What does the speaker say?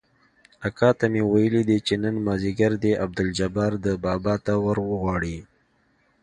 اکا ته مې ويلي دي چې نن مازديګر دې عبدالجبار ده بابا ته وروغواړي.